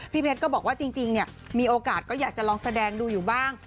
เพชรก็บอกว่าจริงเนี่ยมีโอกาสก็อยากจะลองแสดงดูอยู่บ้าง